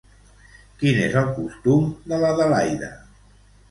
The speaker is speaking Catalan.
Quin és el costum de l'Adelaida?